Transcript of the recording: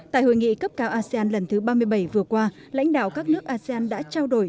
tại hội nghị cấp cao asean lần thứ ba mươi bảy vừa qua lãnh đạo các nước asean đã trao đổi